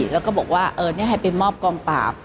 แล้วก็บอกว่าให้ไปมอบกองปราบ